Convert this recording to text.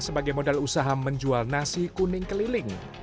sebagai modal usaha menjual nasi kuning keliling